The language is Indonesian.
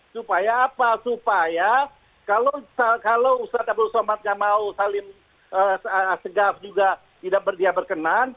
supaya apa supaya kalau ustadz abdul somad tidak mau salim azzaf juga tidak berkenan